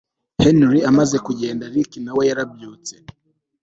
Henry amaze kugenda Rick nawe yarabyutse